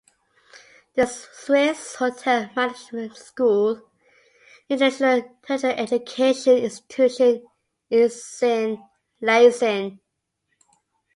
The Swiss Hotel Management School, an international tertiary education institution, is in Leysin.